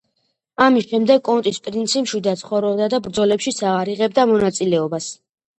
ამის შემდეგ კონტის პრინცი მშვიდად ცხოვრობდა და ბრძოლებშიც აღარ იღებდა მონაწილეობას.